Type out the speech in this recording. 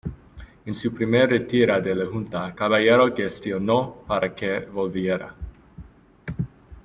En su primer retiro de la Junta, Caballero gestionó para que volviera.